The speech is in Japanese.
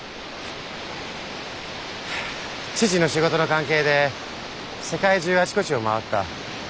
父の仕事の関係で世界中あちこちを回った。